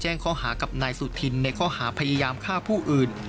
ข้อหากับนายสุธินในข้อหาพยายามฆ่าผู้อื่น